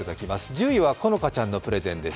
１０位は好花ちゃんのプレゼンです。